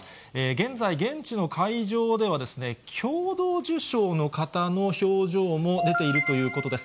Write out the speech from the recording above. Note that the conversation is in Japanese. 現在、現地の会場ではですね、共同受賞の方の表情も出ているということです。